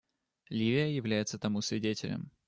Ливия является тому свидетелем.